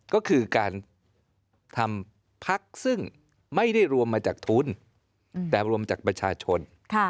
ก็คือการทำพักซึ่งไม่ได้รวมมาจากทุนแต่รวมจากประชาชน